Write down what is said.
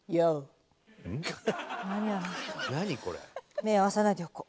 目合わさないでおこう。